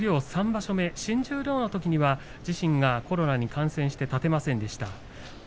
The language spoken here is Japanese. ３場所目新十両のときには自身がコロナに感染して立てませんでした。